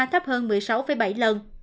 thấp hơn một mươi sáu bảy lần